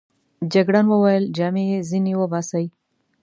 جګړن وویل: جامې يې ځینې وباسئ.